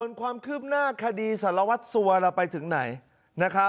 ส่วนความคืมหน้าคดีสระวัดสวแล้วไปถึงไหน